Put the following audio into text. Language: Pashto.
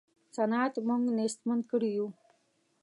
صنعت موږ نېستمن کړي یو.